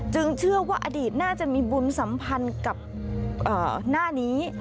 เชื่อว่าอดีตน่าจะมีบุญสัมพันธ์กับหน้านี้